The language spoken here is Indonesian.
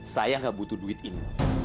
saya nggak butuh duit ini